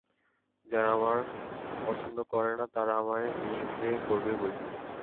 যারা আমায় পছন্দ করে না তারা আমায় নিন্দে করবে বৈকি।